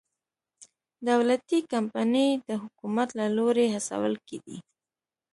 دولتي کمپنۍ د حکومت له لوري هڅول کېدې.